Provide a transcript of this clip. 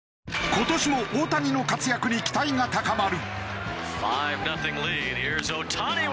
今年も大谷の活躍に期待が高まる。